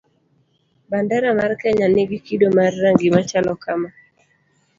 Bandera mar kenya nigi kido mar rangi machalo kamaa: